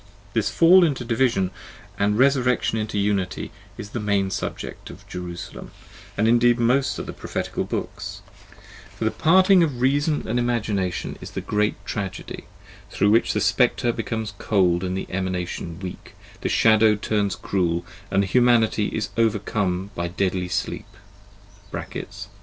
This fall into divison, and resurrection into unity, is the main subject of "Jeru salem " and indeed of most of the Prophetical books ; for the part ix ing of Reason and Imagination is the great tragedy, through which the Spectre becomes cold and the Emanation weak, the Shadow turns cruel, and the Humanity is overcome by deadly sleep (15, 6).